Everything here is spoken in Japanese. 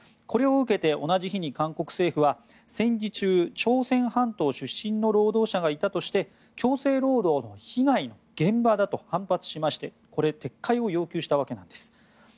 これを受けて同じ日に韓国政府は戦時中朝鮮半島出身の労働者がいたとして強制労働の被害の現場だと反発しまして撤回を要求したわけです。